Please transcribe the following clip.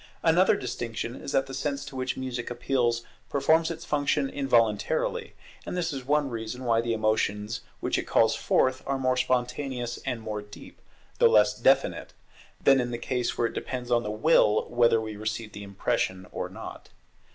Another distinction is that the sense to which music appeals performs its function involuntarily; and this is one reason why the emotions which it calls forth are more spontaneous and more deep, though less definite, than in the case where it depends on the will whether we receive the impression or not.